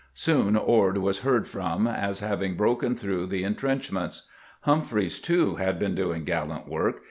Soon Ord was heard from as having broken through the intrenchments. Humphreys, too, had been doing gallant work.